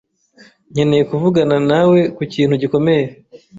nkeneye kuvugana nawe kukintu gikomeye.